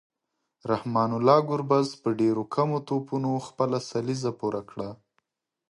رحمان الله ګربز په ډیرو کمو توپونو خپله سلیزه پوره کړه